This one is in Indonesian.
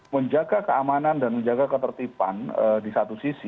menjaga keamanan dan menjaga ketertiban di satu sisi